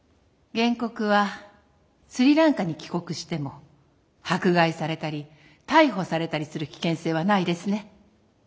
原告はスリランカに帰国しても迫害されたり逮捕されたりする危険性はないですね？